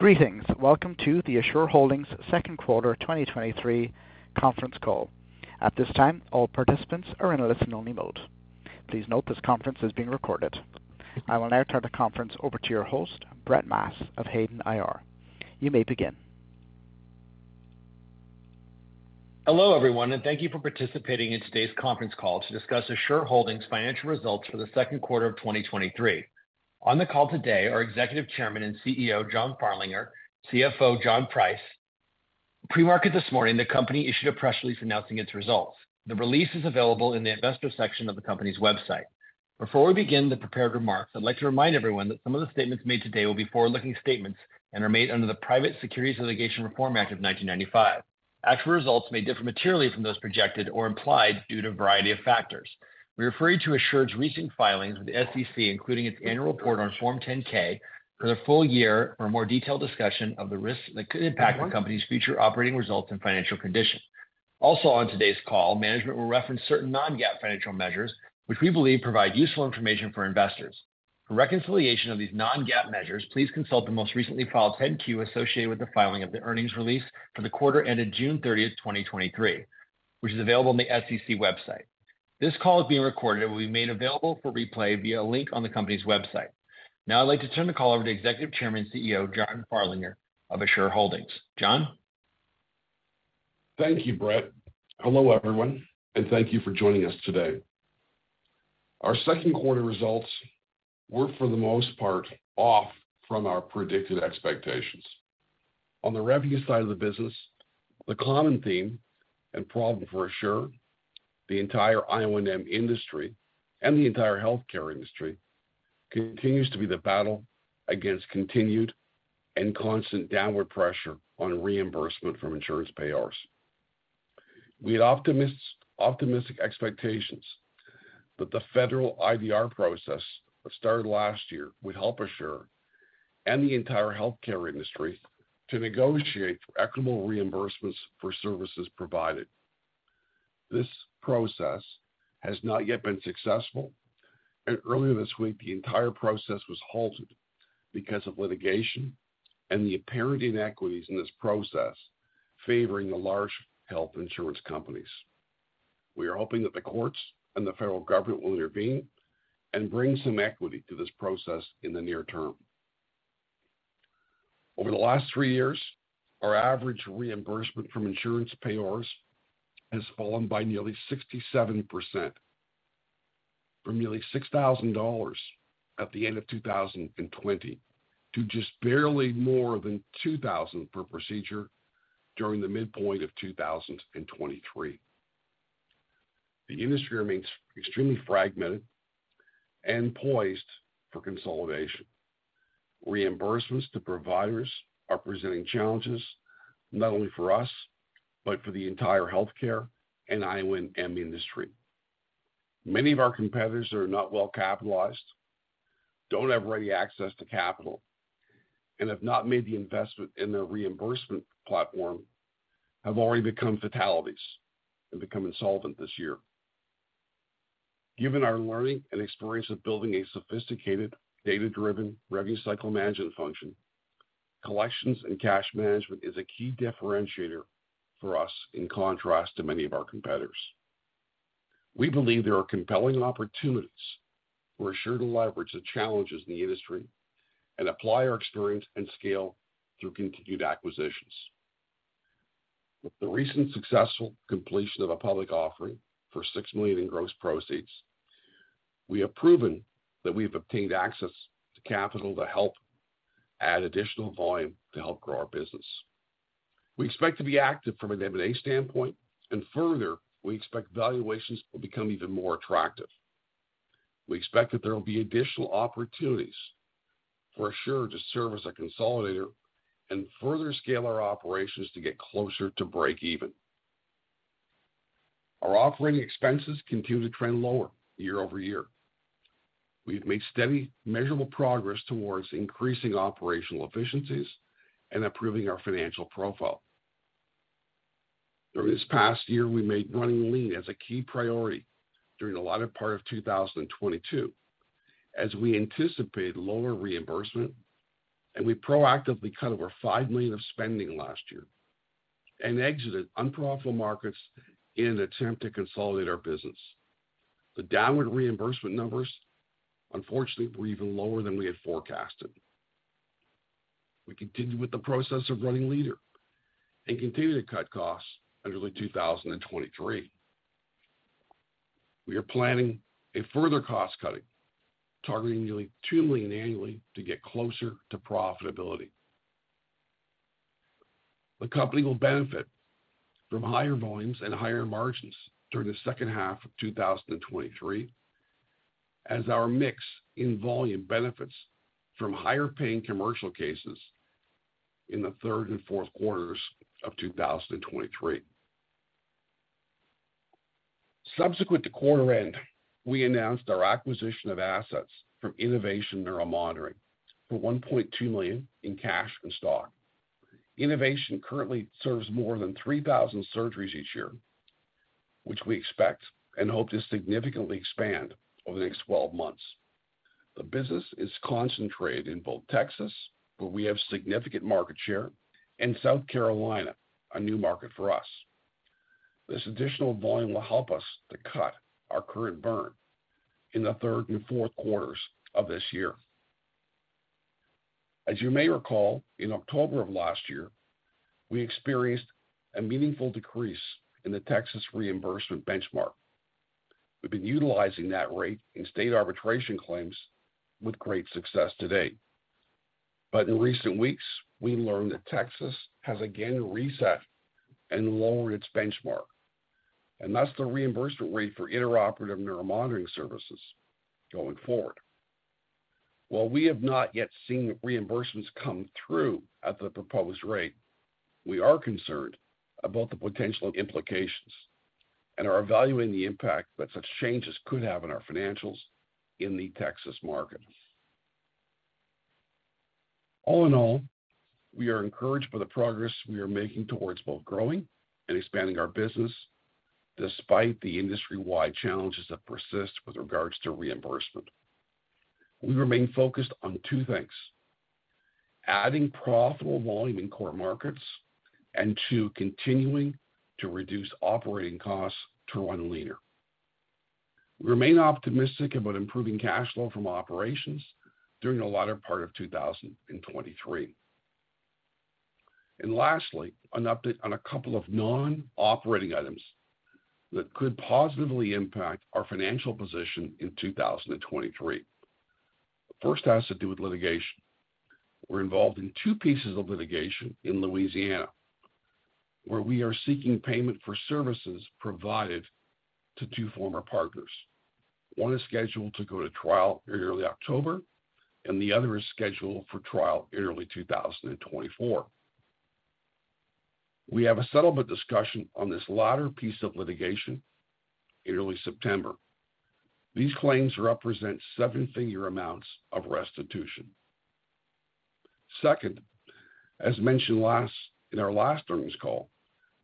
Greetings! Welcome to the Assure Holdings Second Quarter 2023 Conference Call. At this time, all participants are in a listen-only mode. Please note, this conference is being recorded. I will now turn the conference over to your host, Brett Maas, of Hayden IR. You may begin. Hello, everyone, and thank you for participating in today's conference call to discuss Assure Holdings' financial results for the second quarter of 2023. On the call today are Executive Chairman and CEO, John Farlinger, CFO, John Price. Pre-market this morning, the company issued a press release announcing its results. The release is available in the investor section of the company's website. Before we begin the prepared remarks, I'd like to remind everyone that some of the statements made today will be forward-looking statements and are made under the Private Securities Litigation Reform Act of 1995. Actual results may differ materially from those projected or implied due to a variety of factors. We refer you to Assure's recent filings with the SEC, including its annual report on Form 10-K for the full year, for a more detailed discussion of the risks that could impact the company's future operating results and financial condition. Also, on today's call, management will reference certain non-GAAP financial measures, which we believe provide useful information for investors. For reconciliation of these non-GAAP measures, please consult the most recently filed 10-Q associated with the filing of the earnings release for the quarter ended June thirtieth, 2023, which is available on the SEC website. This call is being recorded and will be made available for replay via a link on the company's website. Now, I'd like to turn the call over to Executive Chairman and CEO, John Farlinger of Assure Holdings. John? Thank you, Brett. Hello, everyone, thank you for joining us today. Our second quarter results were, for the most part, off from our predicted expectations. On the revenue side of the business, the common theme and problem for Assure, the entire IONM industry and the entire healthcare industry, continues to be the battle against continued and constant downward pressure on reimbursement from insurance payers. We had optimistic expectations that the federal IDR process that started last year would help Assure and the entire healthcare industry to negotiate for equitable reimbursements for services provided. This process has not yet been successful, and earlier this week, the entire process was halted because of litigation and the apparent inequities in this process favoring the large health insurance companies. We are hoping that the courts and the federal government will intervene and bring some equity to this process in the near term. Over the last three years, our average reimbursement from insurance payers has fallen by nearly 67%, from nearly $6,000 at the end of 2020, to just barely more than $2,000 per procedure during the midpoint of 2023. The industry remains extremely fragmented and poised for consolidation. Reimbursements to providers are presenting challenges not only for us, but for the entire healthcare and IONM industry. Many of our competitors are not well-capitalized, don't have ready access to capital, and have not made the investment in their reimbursement platform, have already become fatalities and become insolvent this year. Given our learning and experience of building a sophisticated, data-driven, revenue cycle management function, collections and cash management is a key differentiator for us in contrast to many of our competitors. We believe there are compelling opportunities for Assure to leverage the challenges in the industry and apply our experience and scale through continued acquisitions. With the recent successful completion of a public offering for $6 million in gross proceeds, we have proven that we've obtained access to capital to help add additional volume to help grow our business. We expect to be active from an M&A standpoint, and further, we expect valuations will become even more attractive. We expect that there will be additional opportunities for Assure to serve as a consolidator and further scale our operations to get closer to break even. Our operating expenses continue to trend lower year-over-year. We've made steady, measurable progress towards increasing operational efficiencies and improving our financial profile. During this past year, we made running lean as a key priority during the latter part of 2022, as we anticipated lower reimbursement. We proactively cut over $5 million of spending last year and exited unprofitable markets in an attempt to consolidate our business. The downward reimbursement numbers, unfortunately, were even lower than we had forecasted. We continued with the process of running leaner and continued to cut costs under the 2023. We are planning a further cost cutting, targeting nearly $2 million annually to get closer to profitability. The company will benefit from higher volumes and higher margins during the second half of 2023, as our mix in volume benefits from higher paying commercial cases in the third and fourth quarters of 2023. Subsequent to quarter end, we announced our acquisition of assets from Innovation Neuromonitoring for $1.2 million in cash and stock. Innovation currently serves more than 3,000 surgeries each year. Which we expect and hope to significantly expand over the next 12 months. The business is concentrated in both Texas, where we have significant market share, and South Carolina, a new market for us. This additional volume will help us to cut our current burn in the third and fourth quarters of this year. As you may recall, in October of last year, we experienced a meaningful decrease in the Texas reimbursement benchmark. We've been utilizing that rate in state arbitration claims with great success to date. In recent weeks, we learned that Texas has again reset and lowered its benchmark, and that's the reimbursement rate for intraoperative neuromonitoring services going forward. While we have not yet seen reimbursements come through at the proposed rate, we are concerned about the potential implications and are evaluating the impact that such changes could have on our financials in the Texas market. All in all, we are encouraged by the progress we are making towards both growing and expanding our business, despite the industry-wide challenges that persist with regards to reimbursement. We remain focused on two things: adding profitable volume in core markets, and two, continuing to reduce operating costs to run leaner, remain optimistic about improving cash flow from operations during the latter part of 2023. Lastly, an update on a couple of non-operating items that could positively impact our financial position in 2023. The first has to do with litigation. We're involved in two pieces of litigation in Louisiana, where we are seeking payment for services provided to two former partners. One is scheduled to go to trial in early October, and the other is scheduled for trial in early 2024. We have a settlement discussion on this latter piece of litigation in early September. These claims represent seven-figure amounts of restitution. Second, as mentioned in our last earnings call,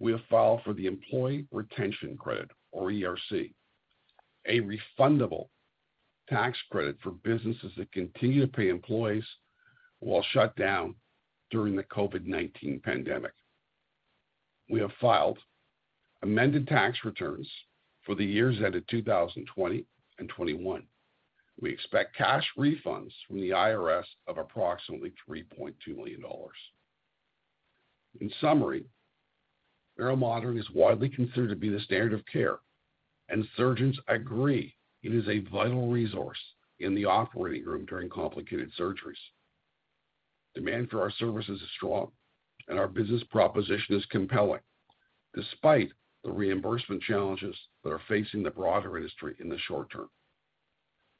we have filed for the Employee Retention Credit, or ERC, a refundable tax credit for businesses that continue to pay employees while shut down during the COVID-19 pandemic. We have filed amended tax returns for the years ended 2020 and 2021. We expect cash refunds from the IRS of approximately $3.2 million. In summary, neuromonitoring is widely considered to be the standard of care, and surgeons agree it is a vital resource in the operating room during complicated surgeries. Demand for our services is strong, and our business proposition is compelling, despite the reimbursement challenges that are facing the broader industry in the short term.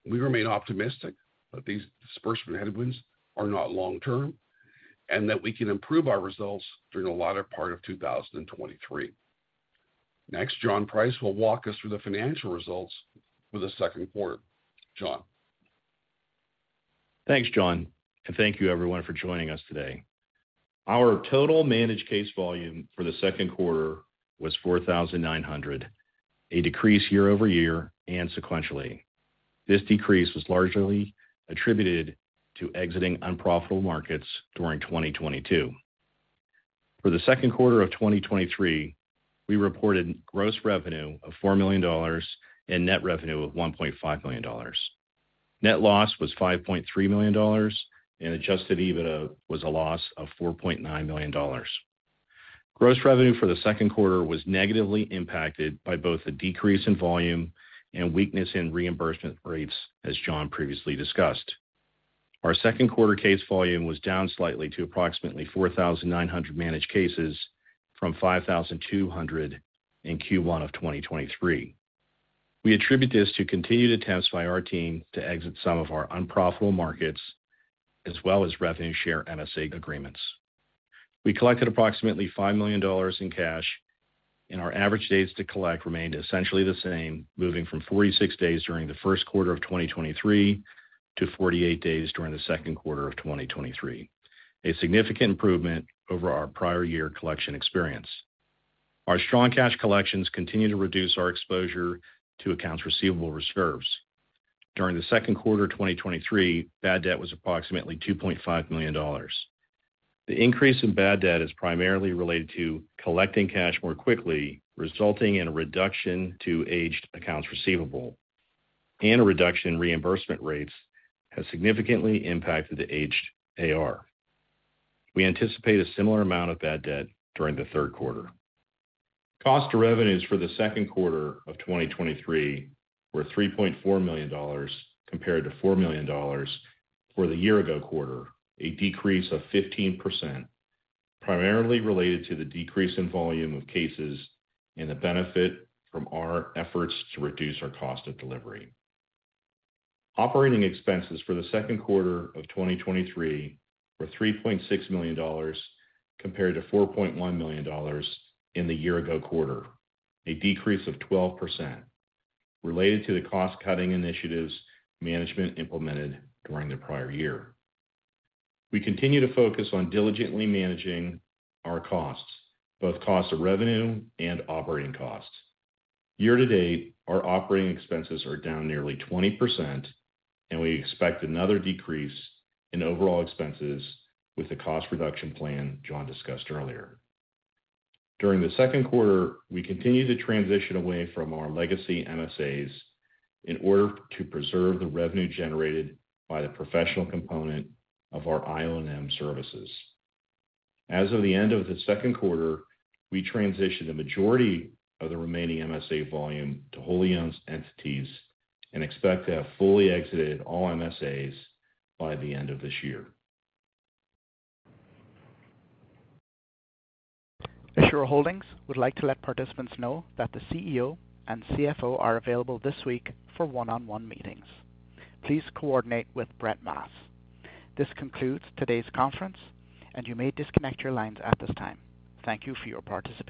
We remain optimistic that these disbursement headwinds are not long-term and that we can improve our results during the latter part of 2023. Next, John Price will walk us through the financial results for the second quarter. John? Thanks, John, thank you everyone for joining us today. Our total managed case volume for the second quarter was 4,900, a decrease year-over-year and sequentially. This decrease was largely attributed to exiting unprofitable markets during 2022. For the second quarter of 2023, we reported gross revenue of $4 million and net revenue of $1.5 million. Net loss was $5.3 million, and adjusted EBITDA was a loss of $4.9 million. Gross revenue for the second quarter was negatively impacted by both the decrease in volume and weakness in reimbursement rates, as John previously discussed. Our second quarter case volume was down slightly to approximately 4,900 managed cases from 5,200 in Q1 of 2023. We attribute this to continued attempts by our team to exit some of our unprofitable markets, as well as revenue-share MSA agreements. We collected approximately $5 million in cash. Our average days to collect remained essentially the same, moving from 46 days during the first quarter of 2023 to 48 days during the second quarter of 2023, a significant improvement over our prior year collection experience. Our strong cash collections continue to reduce our exposure to accounts receivable reserves. During the second quarter of 2023, bad debt was approximately $2.5 million. The increase in bad debt is primarily related to collecting cash more quickly, resulting in a reduction to aged accounts receivable. A reduction in reimbursement rates has significantly impacted the aged AR. We anticipate a similar amount of bad debt during the third quarter. Cost to revenues for the second quarter of 2023 were $3.4 million, compared to $4 million for the year ago quarter, a decrease of 15%, primarily related to the decrease in volume of cases and the benefit from our efforts to reduce our cost of delivery. Operating expenses for the second quarter of 2023 were $3.6 million, compared to $4.1 million in the year ago quarter, a decrease of 12% related to the cost-cutting initiatives management implemented during the prior year. We continue to focus on diligently managing our costs, both cost of revenue and operating costs. Year to date, our operating expenses are down nearly 20%, and we expect another decrease in overall expenses with the cost reduction plan John discussed earlier. During the second quarter, we continued to transition away from our legacy MSAs in order to preserve the revenue generated by the professional component of our IONM services. As of the end of the second quarter, we transitioned the majority of the remaining MSA volume to wholly owned entities and expect to have fully exited all MSAs by the end of this year. Assure Holdings would like to let participants know that the CEO and CFO are available this week for one-on-one meetings. Please coordinate with Brett Maas. This concludes today's conference, and you may disconnect your lines at this time. Thank you for your participation.